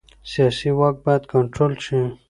سیاسي واک باید کنټرول شي